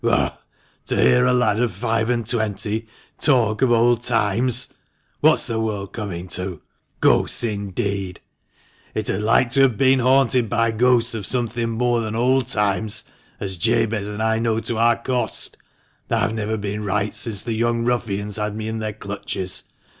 " Ugh ! to hear a lad of five and twenty talk of old times ! What's the world coming to? Ghosts, indeed! It had like to THE MANCHESTER MAN. 311 have been haunted by ghosts of something more than old times, as Jabez and I know to our cost. I've never been right since the young ruffians had me in their clutches